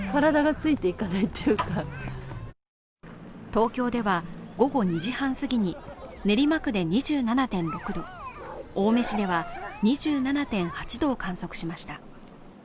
東京では午後２時半すぎに練馬区で２７．６度青梅市では２７．８度を観測しました。